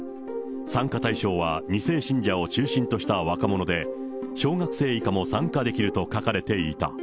参加対象は２世信者を中心とした若者で、小学生以下も参加できると書かれていた。